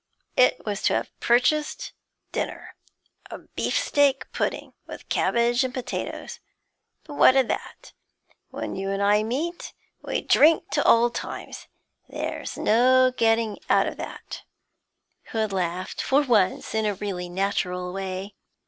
It was to have purchased dinner, a beefsteak pudding, with cabbage and potatoes; but what o' that? When you and I meet, we drink to old times; there's no getting out of that.' Hood laughed, for once in a really natural way.